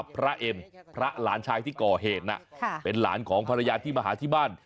พระเอ็มพระหลานชายที่ก่อเหตุน่ะเป็นหลานของภรรยาที่มาหาที่บ้าน